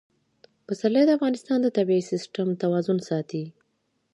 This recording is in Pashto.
پسرلی د افغانستان د طبعي سیسټم توازن ساتي.